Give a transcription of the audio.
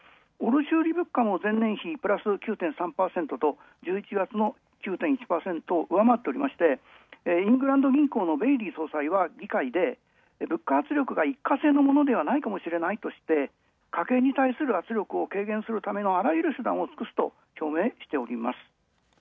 卸売物価も前年比、プラス９．３％と、上回っておりまして、イングランド銀行のベイリー総裁は議会で物価圧力が一過性のものではないかもしれないとして、家庭に対する圧力を軽減するための、あらゆる手段を尽くすと表明してます。